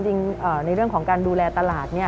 จริงในเรื่องของการดูแลตลาด